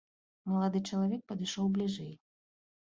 Малады чалавек падышоў бліжэй.